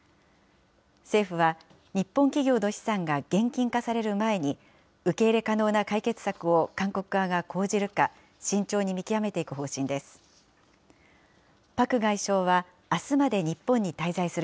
政府は日本企業の資産が現金化される前に、受け入れ可能な解決策を韓国側が講じるか、慎重に見極めていく方針です。